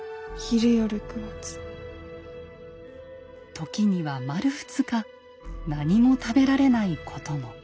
時には丸２日何も食べられないことも。